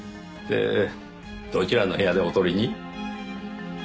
でどちらの部屋でお撮りに？